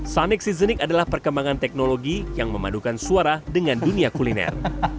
sonic seasonik adalah perkembangan teknologi yang memadukan suara dengan dunia kuliner